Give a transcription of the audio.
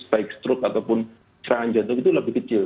baik stroke ataupun serangan jantung itu lebih kecil